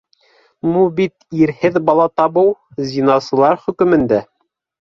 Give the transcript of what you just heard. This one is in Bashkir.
Ну бит ирһеҙ бала табыу - зинасылар хөкөмөндә.